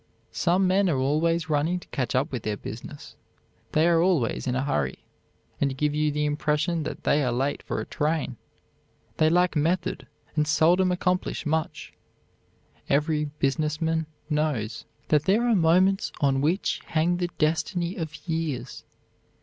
Some men are always running to catch up with their business: they are always in a hurry, and give you the impression that they are late for a train. They lack method, and seldom accomplish much. Every business man knows that there are moments on which hang the destiny of years.